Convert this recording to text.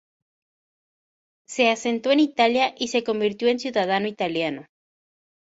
Se asentó en Italia y se convirtió en ciudadano italiano.